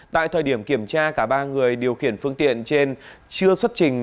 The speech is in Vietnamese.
tại thời điểm kiểm tra cả ba người điều khiển phương tiện trên chưa xuất trình